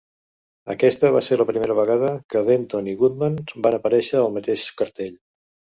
Aquesta va ser la primera vegada que Denton i Goodman van aparèixer al mateix cartell.